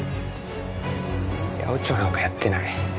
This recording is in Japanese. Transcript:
八百長なんかやってない。